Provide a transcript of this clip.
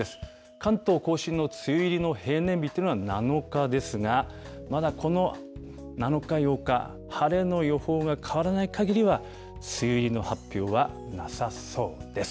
関東甲信の梅雨入りの平年日というのは７日ですが、まだこの７日、８日、晴れの予報が変わらないかぎりは、梅雨入りの発表はなさそうです。